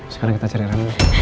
sekarang kita cari rena